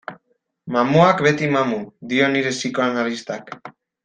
Mamuak beti mamu, dio nire psikoanalistak.